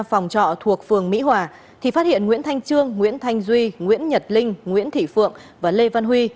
phòng trọ thuộc phường mỹ hòa thì phát hiện nguyễn thanh trương nguyễn thanh duy nguyễn nhật linh nguyễn thị phượng và lê văn huy